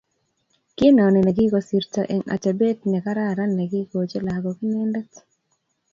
kinoni nekikosirto eng atebet ne kararan ne kikochi lakok inendet